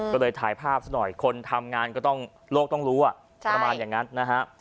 ก็เลยถ่ายภาพซะหน่อยคนทำงานก็ต้องโลกต้องรู้ประมาณอย่างนั้นนะฮะ